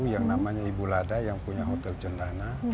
yang namanya ibu lada yang punya hotel cendana